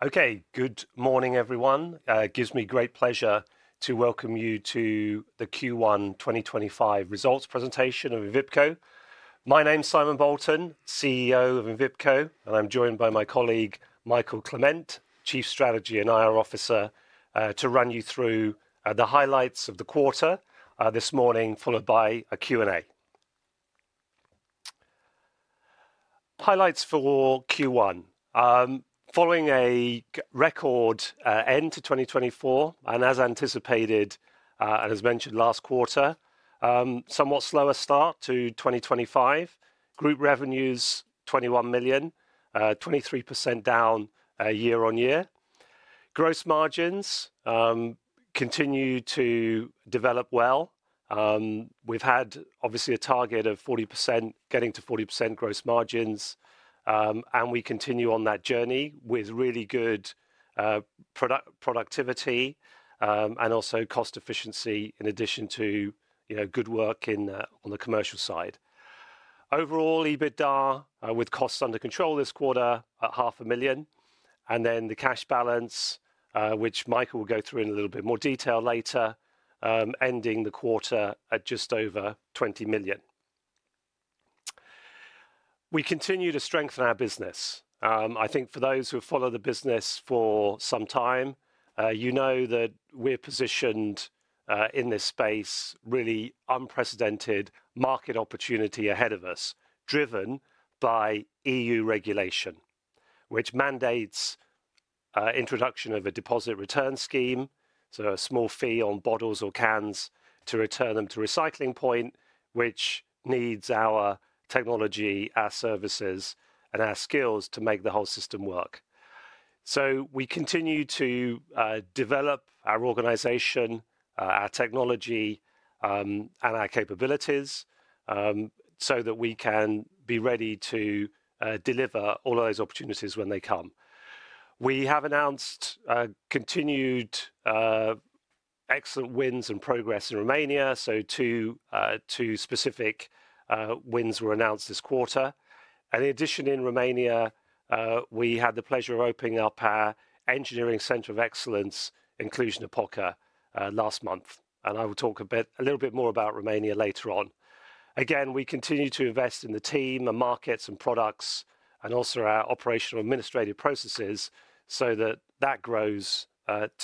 Okay, good morning, everyone. Gives me great pleasure to welcome you to the Q1 2025 Results Presentation of Envipco. My name's Simon Bolton, CEO of Envipco, and I'm joined by my colleague, Mikael Clement, Chief Strategy and IR Officer, to run you through the highlights of the quarter this morning, followed by a Q&A. Highlights for Q1, following a record end to 2024, and as anticipated, and as mentioned last quarter, somewhat slower start to 2025. Group revenues, 21 million, 23% down year-on-year. Gross margins continue to develop well. We've had, obviously, a target of 40%, getting to 40% gross margins, and we continue on that journey with really good product productivity, and also cost efficiency in addition to, you know, good work in, on the commercial side. Overall, EBITDA, with costs under control this quarter, at 500,000, and then the cash balance, which Mikael will go through in a little bit more detail later, ending the quarter at just over 20 million. We continue to strengthen our business. I think for those who have followed the business for some time, you know that we're positioned, in this space, really unprecedented market opportunity ahead of us, driven by EU regulation, which mandates, introduction of a deposit return scheme, so a small fee on bottles or cans to return them to recycling point, which needs our technology, our services, and our skills to make the whole system work. We continue to, develop our organization, our technology, and our capabilities, so that we can be ready to, deliver all of those opportunities when they come. We have announced, continued, excellent wins and progress in Romania. Two specific wins were announced this quarter. In addition, in Romania, we had the pleasure of opening up our Engineering Center of Excellence, in Cluj-Napoca, last month. I will talk a little bit more about Romania later on. Again, we continue to invest in the team and markets and products, and also our operational administrative processes, so that grows to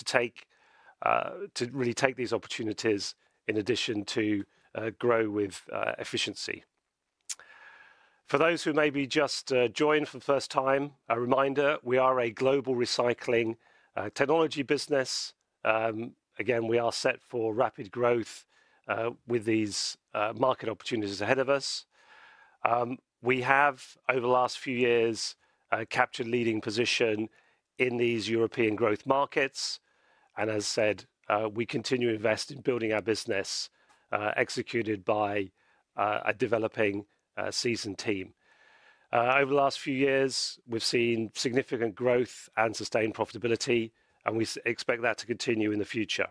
really take these opportunities in addition to grow with efficiency. For those who may be just joined for the first time, a reminder, we are a global recycling technology business. Again, we are set for rapid growth, with these market opportunities ahead of us. We have, over the last few years, captured leading position in these European growth markets. As I said, we continue to invest in building our business, executed by a developing, seasoned team. Over the last few years, we've seen significant growth and sustained profitability, and we expect that to continue in the future.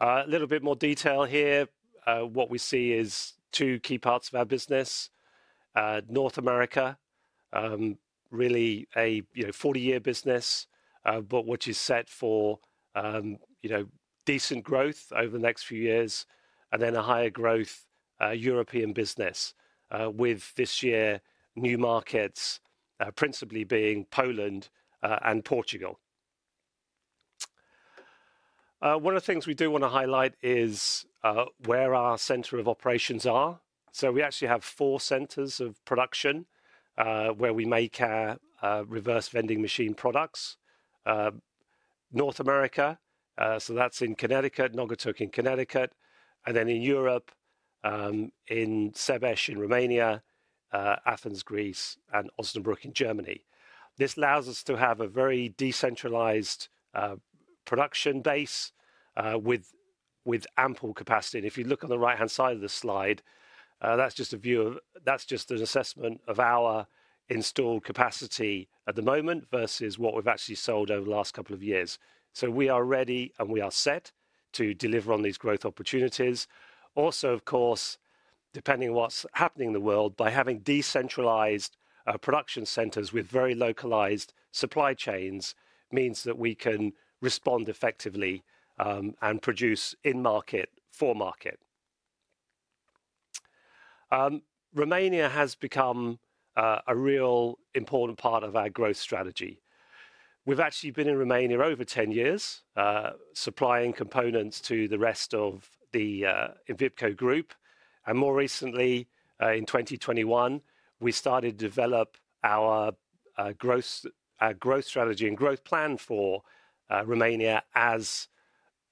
A little bit more detail here, what we see is two key parts of our business. North America, really a, you know, 40-year business, but which is set for, you know, decent growth over the next few years, and then a higher growth, European business, with this year new markets, principally being Poland and Portugal. One of the things we do want to highlight is, where our center of operations are. We actually have four centers of production, where we make our Reverse Vending Machine products. North America, so that's in Connecticut, Naugatuck in Connecticut, and then in Europe, in Sebeș in Romania, Athens, Greece, and Osnabrück in Germany. This allows us to have a very decentralized production base, with ample capacity. If you look on the right-hand side of the slide, that's just a view of, that's just an assessment of our installed capacity at the moment versus what we've actually sold over the last couple of years. We are ready and we are set to deliver on these growth opportunities. Also, of course, depending on what's happening in the world, by having decentralized production centers with very localized supply chains means that we can respond effectively, and produce in market for market. Romania has become a real important part of our growth strategy. We've actually been in Romania over 10 years, supplying components to the rest of the Envipco Group. More recently, in 2021, we started to develop our growth strategy and growth plan for Romania as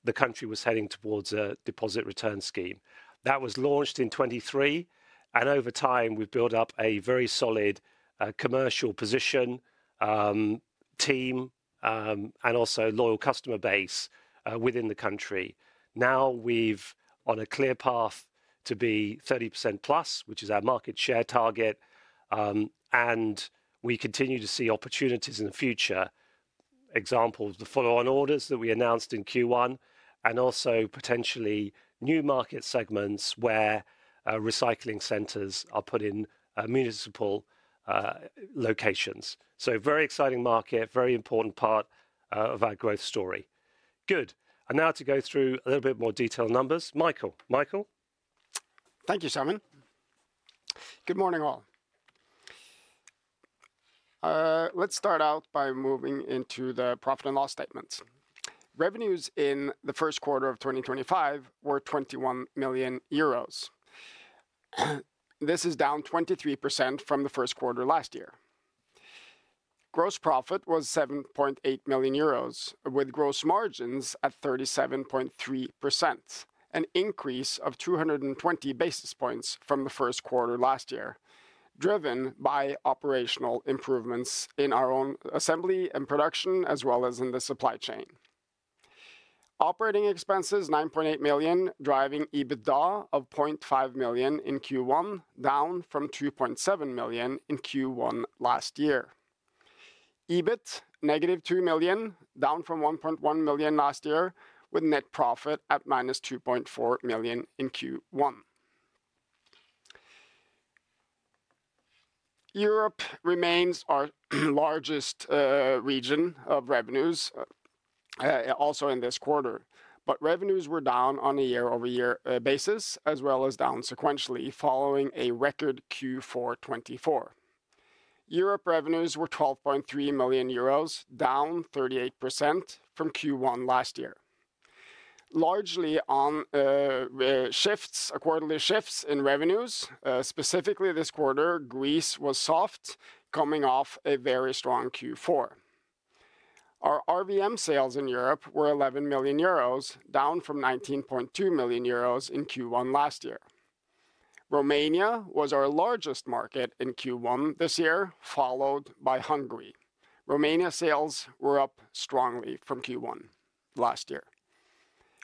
the country was heading towards a deposit return scheme. That was launched in 2023, and over time we've built up a very solid, commercial position, team, and also loyal customer base, within the country. Now we're on a clear path to be 30%+, which is our market share target, and we continue to see opportunities in the future. Examples, the follow-on orders that we announced in Q1, and also potentially new market segments where recycling centers are put in municipal locations. Very exciting market, very important part of our growth story. Good. Now to go through a little bit more detailed numbers. Mikael. Mikael. Thank you, Simon. Good morning, all. Let's start out by moving into the profit and loss statements. Revenues in the first quarter of 2025 were 21 million euros. This is down 23% from the first quarter last year. Gross profit was 7.8 million euros, with gross margins at 37.3%, an increase of 220 basis points from the first quarter last year, driven by operational improvements in our own assembly and production, as well as in the supply chain. Operating expenses, 9.8 million, driving EBITDA of 0.5 million in Q1, down from 2.7 million in Q1 last year. EBIT, -2 million, down from 1.1 million last year, with net profit at - 2.4 million in Q1. Europe remains our largest region of revenues, also in this quarter, but revenues were down on a year-over-year basis, as well as down sequentially following a record Q4 2024. Europe revenues were 12.3 million euros, down 38% from Q1 last year, largely on shifts, accordingly shifts in revenues. Specifically this quarter, Greece was soft, coming off a very strong Q4. Our RVM sales in Europe were 11 million euros, down from 19.2 million euros in Q1 last year. Romania was our largest market in Q1 this year, followed by Hungary. Romania sales were up strongly from Q1 last year.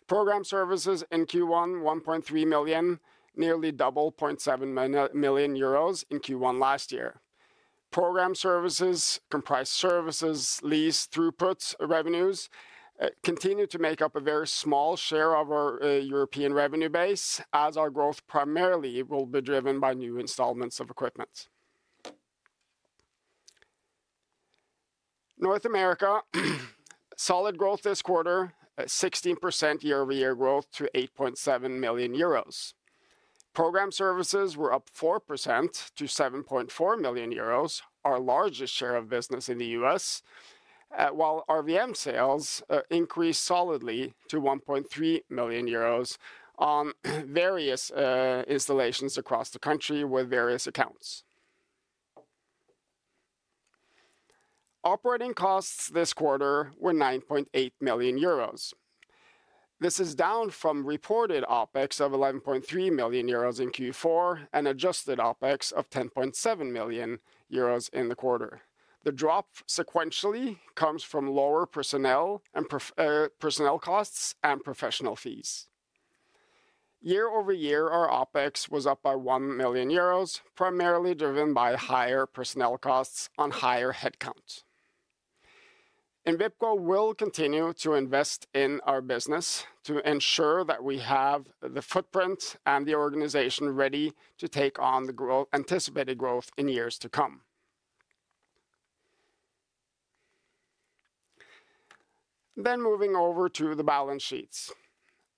Program services in Q1, 1.3 million, nearly doubled, 0.7 million euros in Q1 last year. Program services, comprised services, lease, throughputs revenues, continue to make up a very small share of our European revenue base, as our growth primarily will be driven by new installments of equipment. North America, solid growth this quarter, 16% year-over-year growth to 8.7 million euros. Program services were up 4% to 7.4 million euros, our largest share of business in the U.S., while RVM sales increased solidly to 1.3 million euros on various installations across the country with various accounts. Operating costs this quarter were 9.8 million euros. This is down from reported OpEx of 11.3 million euros in Q4 and adjusted OpEx of 10.7 million euros in the quarter. The drop sequentially comes from lower personnel costs and professional fees. Year-over-year, our OpEx was up by 1 million euros, primarily driven by higher personnel costs on higher headcount. Envipco will continue to invest in our business to ensure that we have the footprint and the organization ready to take on the anticipated growth in years to come. Moving over to the balance sheets.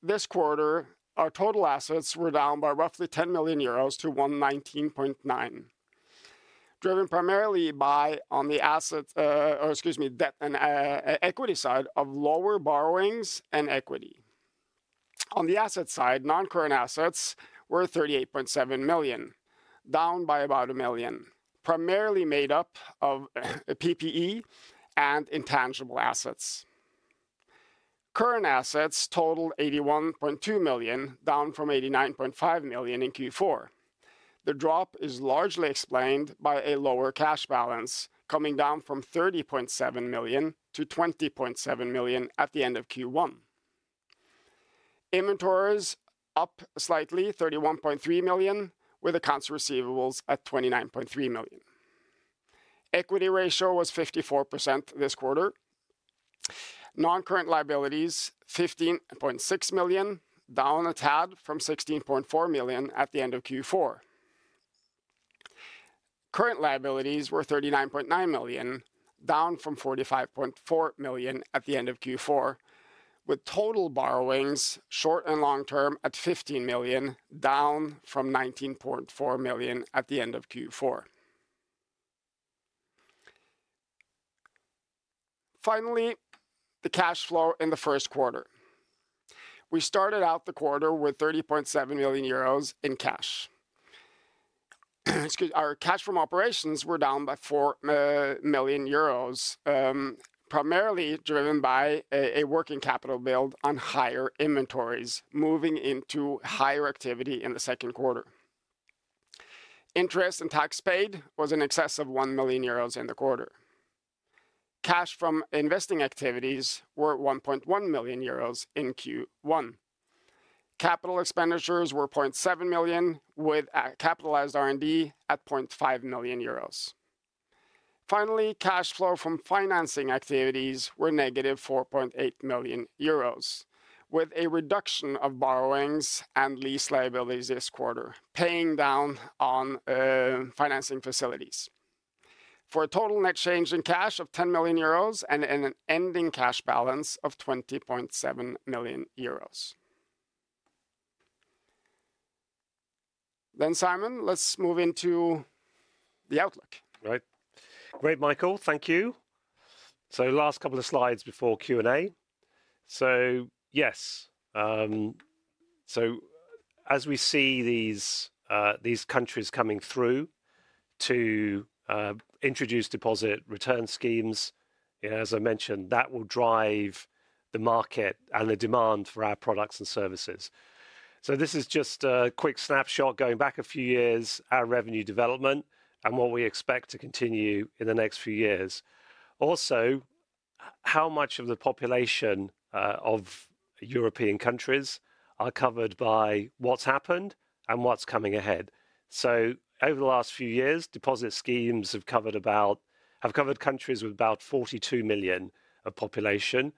This quarter, our total assets were down by roughly 10 million euros to 119.9 million, driven primarily by, on the asset, or excuse me, debt and equity side, lower borrowings and equity. On the asset side, non-current assets were 38.7 million, down by about 1 million, primarily made up of PPE and intangible assets. Current assets totaled 81.2 million, down from 89.5 million in Q4. The drop is largely explained by a lower cash balance coming down from 30.7 million to 20.7 million at the end of Q1. Inventories up slightly, 31.3 million, with accounts receivables at 29.3 million. Equity ratio was 54% this quarter. Non-current liabilities, 15.6 million, down a tad from 16.4 million at the end of Q4. Current liabilities were 39.9 million, down from 45.4 million at the end of Q4, with total borrowings short and long term at 15 million, down from 19.4 million at the end of Q4. Finally, the cash flow in the first quarter. We started out the quarter with 30.7 million euros in cash. Excuse me, our cash from operations were down by 4 million euros, primarily driven by a working capital build on higher inventories, moving into higher activity in the second quarter. Interest and tax paid was in excess of 1 million euros in the quarter. Cash from investing activities were 1.1 million euros in Q1. Capital expenditures were 0.7 million, with capitalized R&D at 0.5 million euros. Finally, cash flow from financing activities were -4.8 million euros, with a reduction of borrowings and lease liabilities this quarter, paying down on financing facilities for a total net change in cash of 10 million euros and an ending cash balance of 20.7 million euros. Simon, let's move into the outlook. Right. Great, Mikael. Thank you. Last couple of slides before Q&A. As we see these countries coming through to introduce deposit return schemes, you know, as I mentioned, that will drive the market and the demand for our products and services. This is just a quick snapshot going back a few years, our revenue development and what we expect to continue in the next few years. Also, how much of the population of European countries are covered by what's happened and what's coming ahead. Over the last few years, deposit schemes have covered countries with about 42 million of population.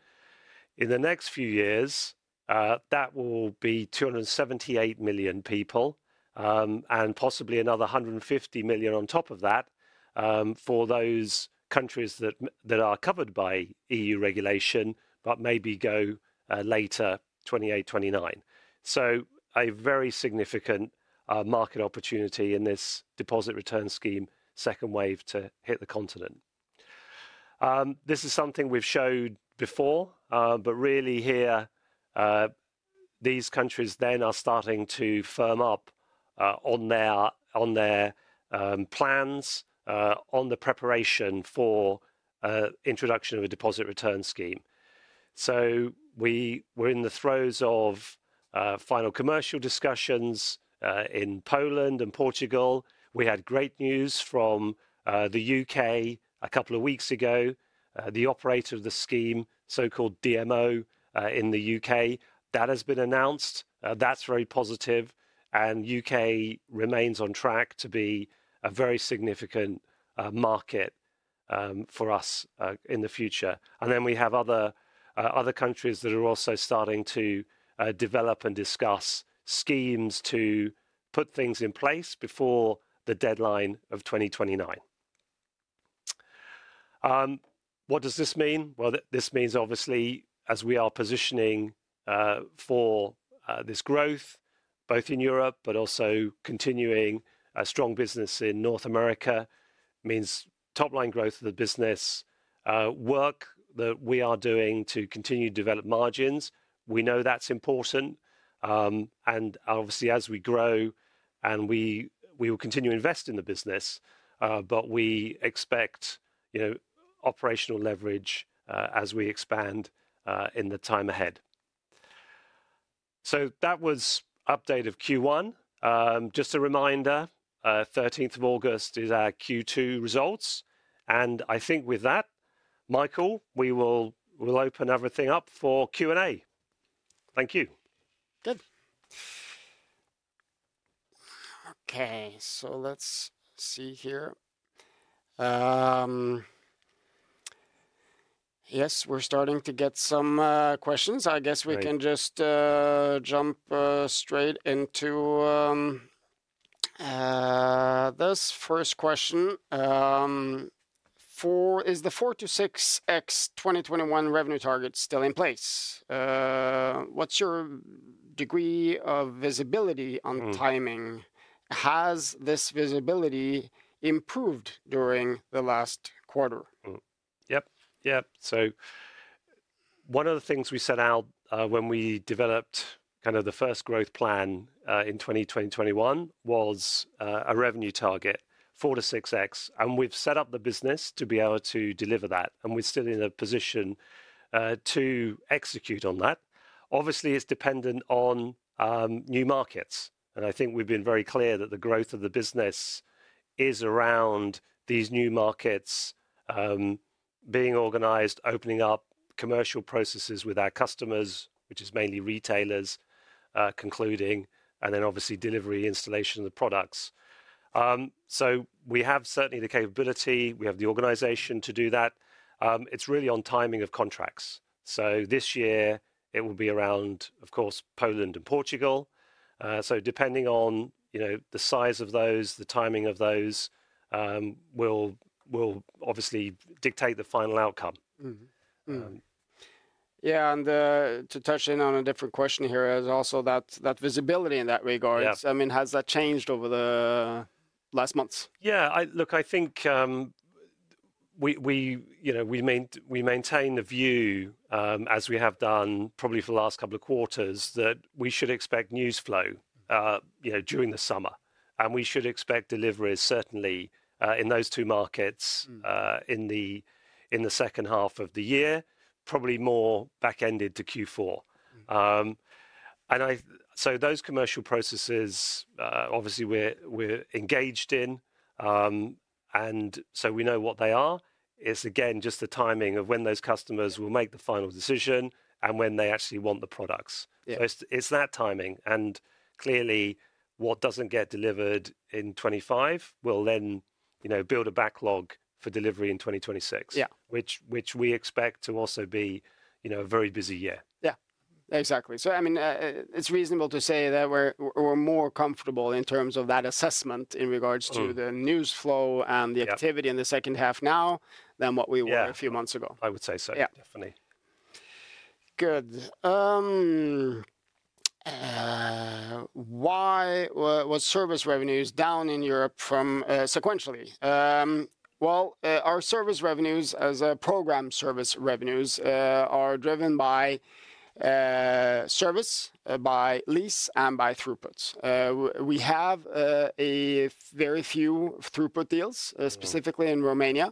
In the next few years, that will be 278 million people, and possibly another 150 million on top of that, for those countries that are covered by EU regulation, but maybe go later 2028, 2029. A very significant market opportunity in this deposit return scheme second wave to hit the continent. This is something we've showed before, but really here, these countries are starting to firm up on their plans, on the preparation for introduction of a deposit return scheme. We were in the throes of final commercial discussions in Poland and Portugal. We had great news from the U.K. a couple of weeks ago. The operator of the scheme, so-called DMO, in the U.K., that has been announced. That's very positive. The U.K. remains on track to be a very significant market for us in the future. We have other countries that are also starting to develop and discuss schemes to put things in place before the deadline of 2029. What does this mean? This means obviously, as we are positioning for this growth, both in Europe, but also continuing a strong business in North America, it means top line growth of the business, work that we are doing to continue to develop margins. We know that's important. Obviously, as we grow, we will continue to invest in the business, but we expect, you know, operational leverage as we expand in the time ahead. That was update of Q1. Just a reminder, 13th of August is our Q2 results. I think with that, Mikael, we will open everything up for Q&A. Thank you. Good. Okay. Let's see here. Yes, we're starting to get some questions. I guess we can just jump straight into this first question. For, is the 4x-6x 2021 revenue target still in place? What's your degree of visibility on timing? Has this visibility improved during the last quarter? Yep. Yeah. One of the things we set out, when we developed kind of the first growth plan, in 2020, 2021 was, a revenue target, 4x-6x. We have set up the business to be able to deliver that. We are still in a position to execute on that. Obviously, it is dependent on new markets. I think we have been very clear that the growth of the business is around these new markets, being organized, opening up commercial processes with our customers, which is mainly retailers, concluding, and then obviously delivery, installation of the products. We have certainly the capability, we have the organization to do that. It is really on timing of contracts. This year it will be around, of course, Poland and Portugal. Depending on, you know, the size of those, the timing of those, will obviously dictate the final outcome. Mm-hmm. Yeah. To touch in on a different question here, as also that visibility in that regard. Yeah. I mean, has that changed over the last months? Yeah. I think we maintain the view, as we have done probably for the last couple of quarters, that we should expect news flow during the summer. We should expect deliveries certainly in those two markets in the second half of the year, probably more back ended to Q4. Those commercial processes, obviously we're engaged in, and so we know what they are. It's again just the timing of when those customers will make the final decision and when they actually want the products. Yeah. It is that timing. Clearly what does not get delivered in 2025 will then, you know, build a backlog for delivery in 2026. Yeah. Which we expect to also be, you know, a very busy year. Yeah. Exactly. I mean, it's reasonable to say that we're more comfortable in terms of that assessment in regards to the news flow and the activity in the second half now than what we were a few months ago. Yeah. I would say so. Yeah. Definitely. Good. Why was service revenues down in Europe from, sequentially? Our service revenues as program service revenues are driven by service, by lease, and by throughputs. We have a very few throughput deals, specifically in Romania.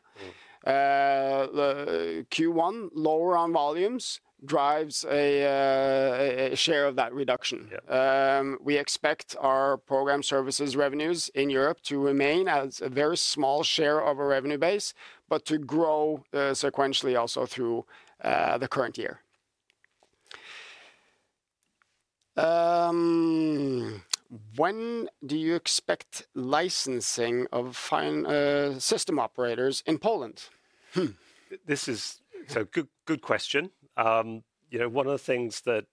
Q1 lower on volumes drives a share of that reduction. Yeah. We expect our program services revenues in Europe to remain as a very small share of our revenue base, but to grow sequentially also through the current year. When do you expect licensing of, fine, system operators in Poland? This is so good, good question. You know, one of the things that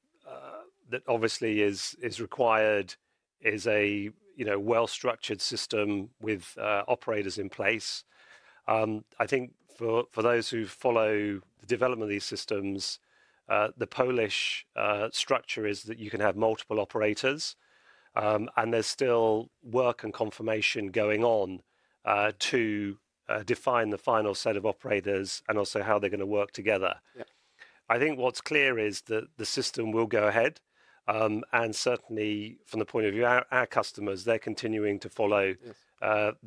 obviously is required is a, you know, well-structured system with operators in place. I think for those who follow the development of these systems, the Polish structure is that you can have multiple operators, and there's still work and confirmation going on to define the final set of operators and also how they're gonna work together. Yeah. I think what's clear is that the system will go ahead. Certainly from the point of view of our customers, they're continuing to follow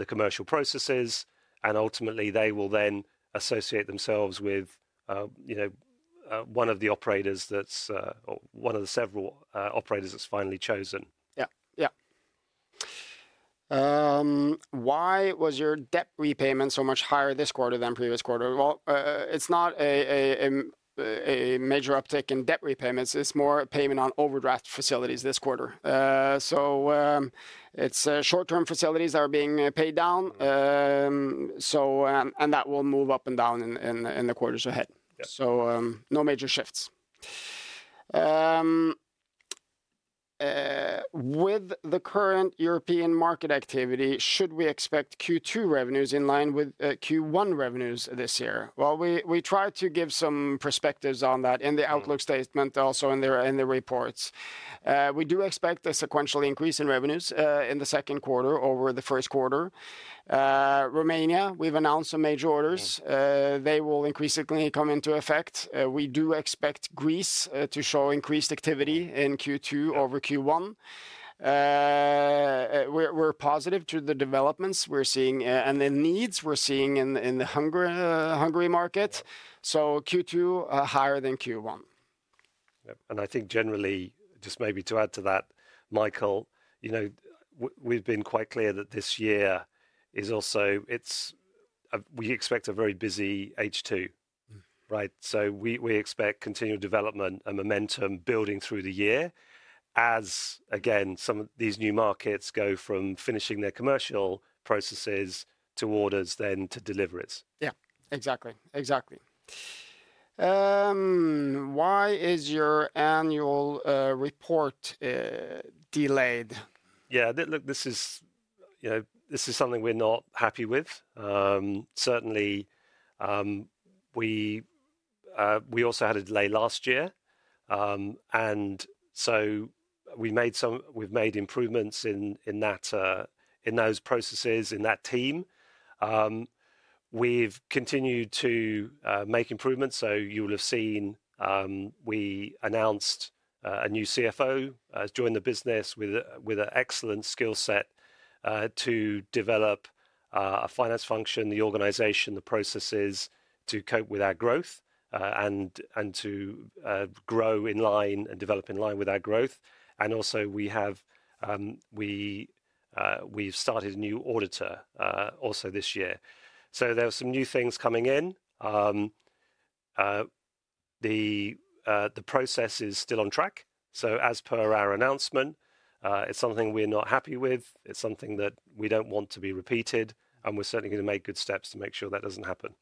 the commercial processes. Ultimately they will then associate themselves with, you know, one of the operators that's, or one of the several operators that's finally chosen. Yeah. Yeah. Why was your debt repayment so much higher this quarter than previous quarter? It's not a major uptick in debt repayments. It's more payment on overdraft facilities this quarter. It's short-term facilities that are being paid down. That will move up and down in the quarters ahead. Yeah. No major shifts. With the current European market activity, should we expect Q2 revenues in line with Q1 revenues this year? We try to give some perspectives on that in the outlook statement, also in the reports. We do expect a sequential increase in revenues in the second quarter over the first quarter. Romania, we have announced some major orders. They will increasingly come into effect. We do expect Greece to show increased activity in Q2 over Q1. We are positive to the developments we are seeing, and the needs we are seeing in the Hungary market. Q2, higher than Q1. Yep. I think generally, just maybe to add to that, Mikael, you know, we've been quite clear that this year is also, it's, we expect a very busy H2. Mm-hmm. Right? We expect continued development and momentum building through the year as, again, some of these new markets go from finishing their commercial processes to orders, then to delivery. Yeah. Exactly. Exactly. Why is your annual report delayed? Yeah. Look, this is, you know, this is something we are not happy with. Certainly, we also had a delay last year, and so we made some, we've made improvements in those processes, in that team. We've continued to make improvements. You will have seen, we announced a new CFO has joined the business with an excellent skillset to develop a finance function, the organization, the processes to cope with our growth, and to grow in line and develop in line with our growth. Also, we have started a new auditor this year. There are some new things coming in. The process is still on track. As per our announcement, it's something we are not happy with. It's something that we don't want to be repeated. We are certainly gonna make good steps to make sure that does not happen.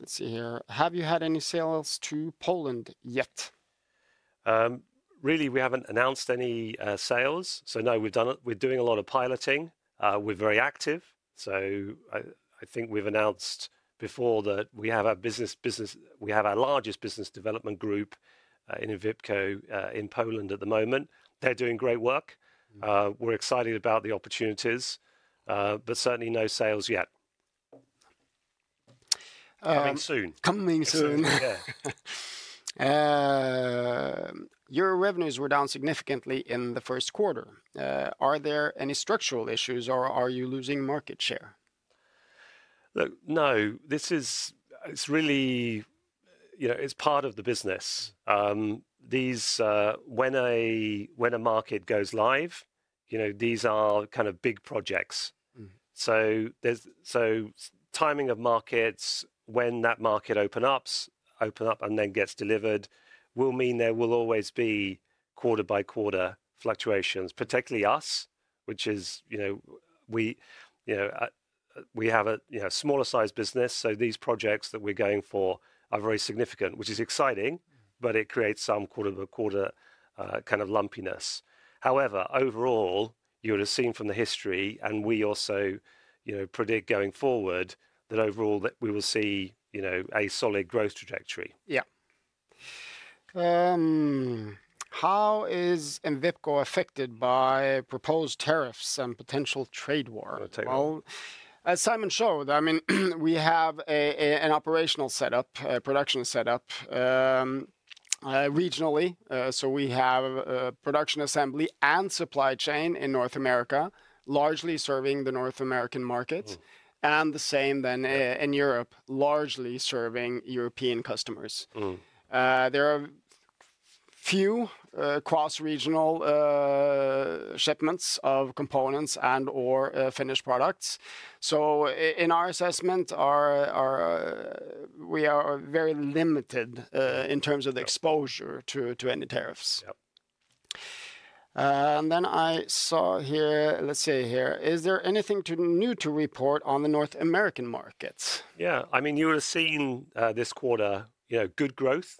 Let's see here. Have you had any sales to Poland yet? Really, we haven't announced any sales. No, we've done it. We're doing a lot of piloting. We're very active. I think we've announced before that we have our business, we have our largest Business Development Group, Envipco, in Poland at the moment. They're doing great work. We're excited about the opportunities, but certainly no sales yet. Coming soon. Coming soon. Yeah. Your revenues were down significantly in the first quarter. Are there any structural issues or are you losing market share? Look, no, this is, it's really, you know, it's part of the business. These, when a, when a market goes live, you know, these are kind of big projects. Mm-hmm. There is, so timing of markets, when that market opens up and then gets delivered will mean there will always be quarter by quarter fluctuations, particularly us, which is, you know, we, you know, we have a, you know, smaller size business. So these projects that we're going for are very significant, which is exciting, but it creates some quarter by quarter, kind of lumpiness. However, overall, you would have seen from the history, and we also, you know, predict going forward that overall that we will see, you know, a solid growth trajectory. Yeah. How is Envipco affected by proposed tariffs and potential trade war? On the table. As Simon showed, I mean, we have an operational setup, a production setup, regionally. We have a production assembly and supply chain in North America, largely serving the North American markets. Mm-hmm. The same then, in Europe, largely serving European customers. Mm-hmm. There are few cross-regional shipments of components and, or, finished products. In our assessment, we are very limited in terms of the exposure to any tariffs. Yep. And then I saw here, let's see here, is there anything new to report on the North American markets? Yeah. I mean, you would have seen, this quarter, you know, good growth,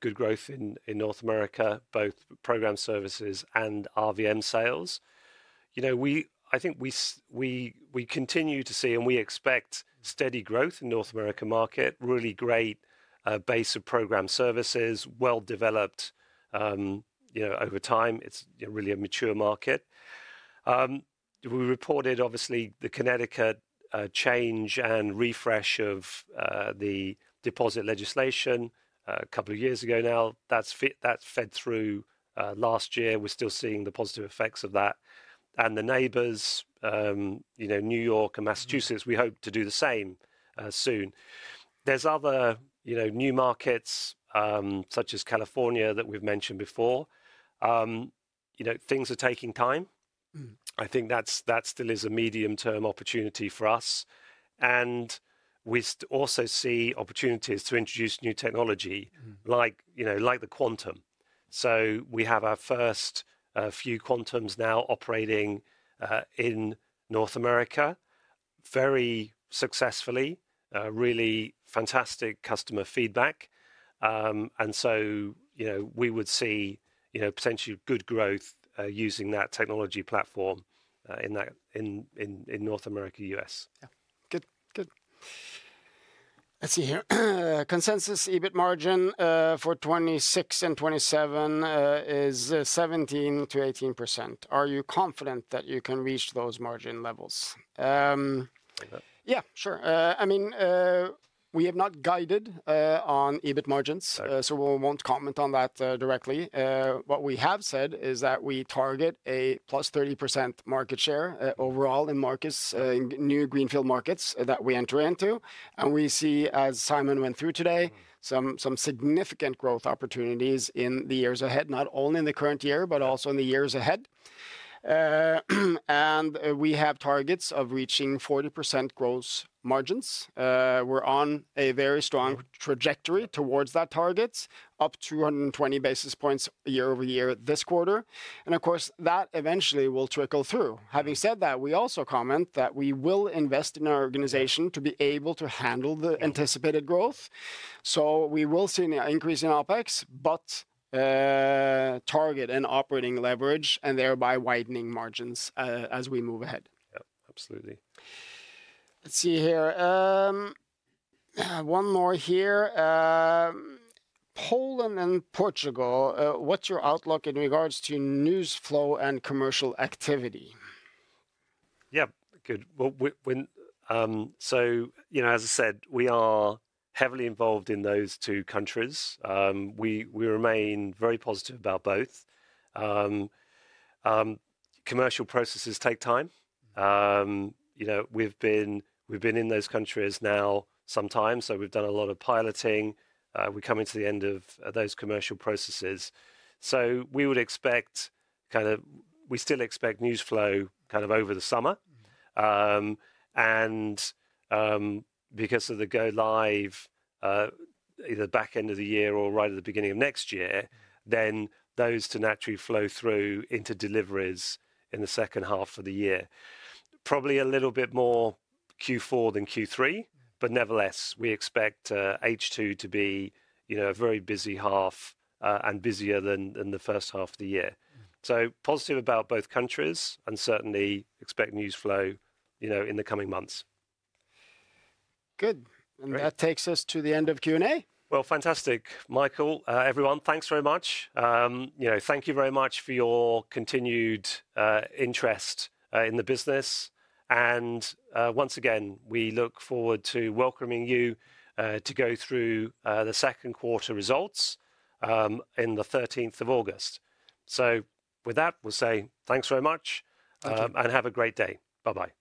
good growth in North America, both program services and RVM sales. You know, I think we continue to see and we expect steady growth in the North America market, really great base of program services, well developed, you know, over time. It's, you know, really a mature market. We reported obviously the Connecticut change and refresh of the deposit legislation a couple of years ago now. That's fed through last year. We're still seeing the positive effects of that. And the neighbors, you know, New York and Massachusetts, we hope to do the same soon. There's other, you know, new markets, such as California that we've mentioned before. You know, things are taking time. Mm-hmm. I think that still is a medium-term opportunity for us. We also see opportunities to introduce new technology. Mm-hmm. Like, you know, like the Quantum. So we have our first few Quantums now operating in North America very successfully, really fantastic customer feedback. And so, you know, we would see, you know, potentially good growth, using that technology platform in North America, U.S. Yeah. Good. Good. Let's see here. Consensus EBIT margin, for 2026 and 2027, is 17%-18%. Are you confident that you can reach those margin levels? Yeah. Yeah. Sure. I mean, we have not guided, on EBIT margins. Okay. We will not comment on that, directly. What we have said is that we target a +30% market share, overall in markets, new greenfield markets that we enter into. We see, as Simon went through today, some significant growth opportunities in the years ahead, not only in the current year, but also in the years ahead. We have targets of reaching 40% gross margins. We are on a very strong trajectory towards that target, up 220 basis points year-over-year this quarter. Of course that eventually will trickle through. Having said that, we also comment that we will invest in our organization to be able to handle the anticipated growth. We will see an increase in OpEx, but target an operating leverage and thereby widening margins, as we move ahead. Yep. Absolutely. Let's see here. One more here. Poland and Portugal, what's your outlook in regards to news flow and commercial activity? Yeah. Good. When, so, you know, as I said, we are heavily involved in those two countries. We remain very positive about both. Commercial processes take time. You know, we've been in those countries now some time. So we've done a lot of piloting. We're coming to the end of those commercial processes. We would expect kind of, we still expect news flow kind of over the summer. Mm-hmm. Because of the go live, either back end of the year or right at the beginning of next year, those to naturally flow through into deliveries in the second half of the year. Probably a little bit more Q4 than Q3, but nevertheless, we expect H2 to be, you know, a very busy half, and busier than the first half of the year. Positive about both countries and certainly expect news flow, you know, in the coming months. Good. That takes us to the end of Q&A. Fantastic, Mikael. Everyone, thanks very much. You know, thank you very much for your continued interest in the business. Once again, we look forward to welcoming you to go through the second quarter results on the 13th of August. With that, we'll say thanks very much. Thank you. And have a great day. Bye-bye.